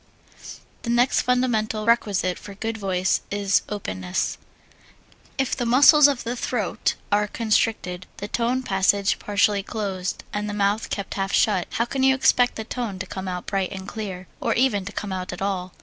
The next fundamental requisite for good voice is 2. Openness If the muscles of the throat are constricted, the tone passage partially closed, and the mouth kept half shut, how can you expect the tone to come out bright and clear, or even to come out at all?